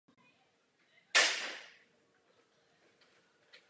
O rozpoznávání objektů se také mluví v počítačovém vidění.